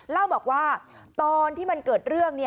เล่าบอกว่าตอนที่มันเกิดเรื่อง